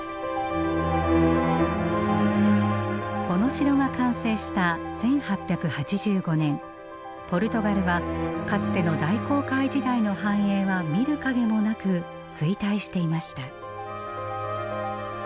この城が完成した１８８５年ポルトガルはかつての大航海時代の繁栄は見る影もなく衰退していました。